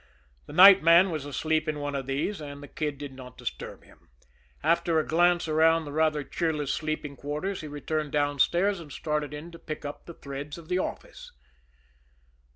The night man was asleep in one of these, and the Kid did not disturb him. After a glance around the rather cheerless sleeping quarters, he returned downstairs, and started in to pick up the threads of the office.